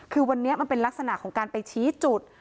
คือวันนี้มันเป็นลักษณะของการไปชี้จุด